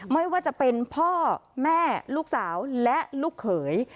ไม่ว่าจะเป็นพ่อแม่ลูกสาวและลูกเขย